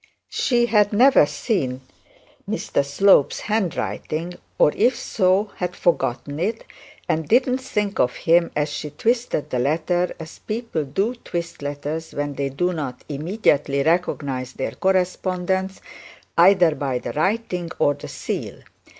She had never seen Mr Slope's handwriting, or if so, had forgotten it; and did not think of him as she twisted the letter as people do twist letters when they do not immediately recognise their correspondents either by the writing or the seal.